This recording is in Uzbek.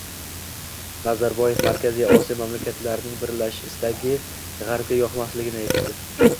Nazarboyev Markaziy Osiyo mamlakatlarining birlashish istagi G‘arbga yoqmasligini aytdi